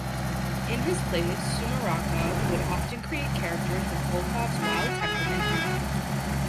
In his plays, Sumarokov would often create characters with Volkov's wild temperament in mind.